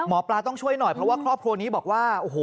หมอปลาต้องช่วยหน่อยเพราะว่าครอบครัวนี้บอกว่าโอ้โห